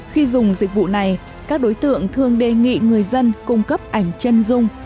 khi dùng dịch vụ này các đối tượng thường đề nghị người dân cung cấp ảnh chân dung